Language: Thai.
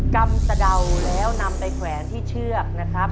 ำสะเดาแล้วนำไปแขวนที่เชือกนะครับ